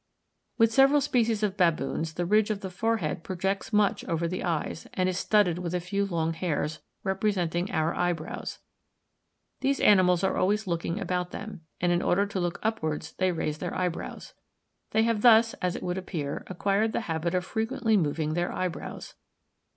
With several species of baboons the ridge of the forehead projects much over the eyes, and is studded with a few long hairs, representing our eyebrows. These animals are always looking about them, and in order to look upwards they raise their eyebrows. They have thus, as it would appear, acquired the habit of frequently moving their eyebrows.